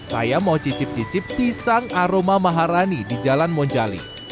saya mau cicip cicip pisang aroma maharani di jalan monjali